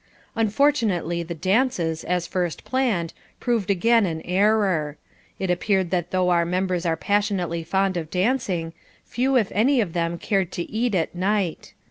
Unfortunately the dances, as first planned, proved again an error. It appeared that though our members are passionately fond of dancing, few if any of them cared to eat at night.